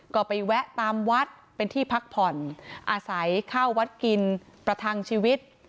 ก็ไปแวะตามวัดเป็นที่พักผ่อนอาศัยข้าววัดกินประทังชีวิต